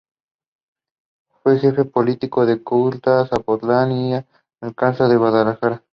Fue Jefe político de Cocula, Zapotlán, y alcalde de Guadalajara.